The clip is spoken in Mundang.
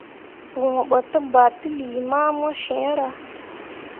Bõo ɓo te ba teli mamu ciira.